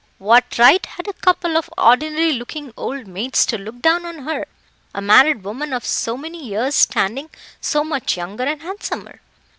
What right had a couple of ordinary looking old maids to look down on her, a married woman of so many years' standing, so much younger and handsomer?